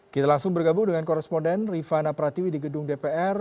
kita langsung bergabung dengan koresponden rifana pratiwi di gedung dpr